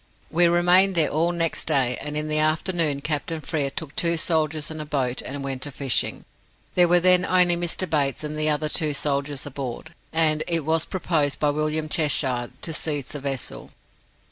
We remained there all next day; and in the afternoon Captain Frere took two soldiers and a boat, and went a fishing. There were then only Mr. Bates and the other two soldiers aboard, and it was proposed by William Cheshire to seize the vessel.